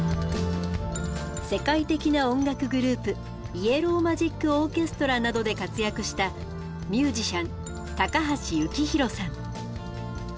イエロー・マジック・オーケストラなどで活躍したミュージシャン高橋幸宏さん。